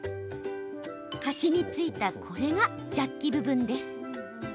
端に付いたこれがジャッキ部分です。